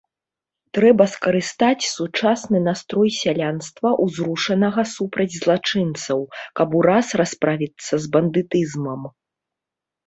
Трэба скарыстаць сучасны настрой сялянства, узрушанага супраць злачынцаў, каб ураз расправіцца з бандытызмам.